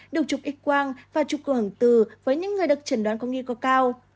được trục ích quang và trục cường hưởng từ với những người được trần đoán công nghi có cao